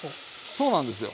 そうなんですよ。